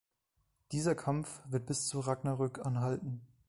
Dieser Kampf wird bis zu Ragnarök anhalten.